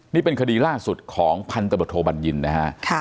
นี่เป็นคดีล่าสุดของพันธบทโทบัญญินนะฮะ